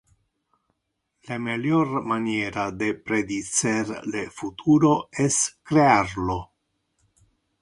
Le melior maniera de predicer le futuro es crear lo.